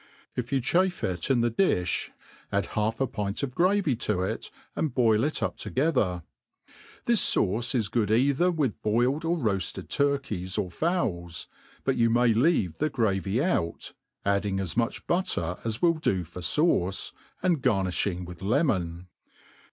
If you chafe it in thedifli, add half a pint of gravy to it, and boil it up together. Thijs fauce^is good either with boiled or roafied turkies or fpwls^ but you may leave the gravy out, adding as much but* ter as will do for fauce, and garniChing with lemon.